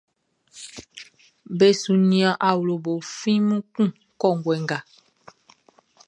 Be su nian awlobo flimu kun kɔnguɛ nga.